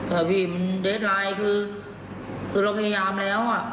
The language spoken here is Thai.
ค่ะพี่มันเดสไลน์คือคือเราพยายามแล้วอ่ะ